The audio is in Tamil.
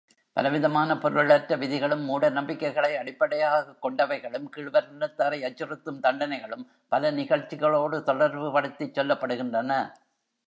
பலவிதமான பொருளற்ற விதிகளும் மூட நம்பிக்கைகளை அடிப்படையாகக் கொண்டவைகளும் கீழ்வருணத்தாரை அச்சுறுத்தும் தண்டனைகளும் பல நிகழ்ச்சிகளோடு தொடர்புபடுத்திச் சொல்லப்படுகின்றன.